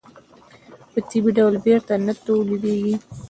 په طبیعي ډول بېرته نه تولیدېږي.